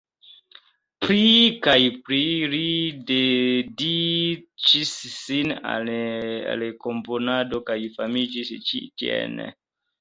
Pli kaj pli li dediĉis sin al komponado kaj famiĝis ĉi-ene.